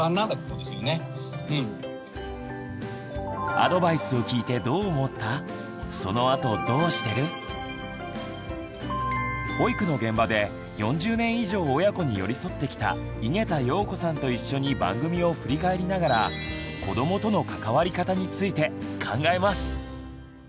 アドバイスを聞いて保育の現場で４０年以上親子に寄り添ってきた井桁容子さんと一緒に番組を振り返りながら子どもとの関わり方について考えます。